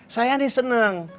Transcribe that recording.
saya nih seneng